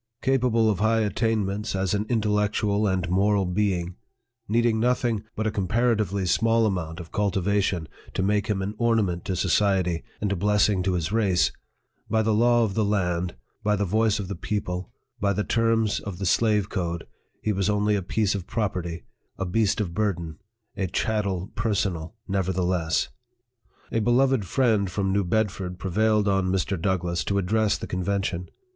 Capable of high attainments as an intellectual and moral being needing nothing but a comparatively small amount of cultivation to make him an ornament to society and a blessing to his race by the law of the land, by the voice of the people, by the terms of the slave code, he was only a piece of property, a beast of burden, a chattel personal, never theless ! A beloved friend from New Bedford prevailed on Mr. DOUGLASS to address the convention.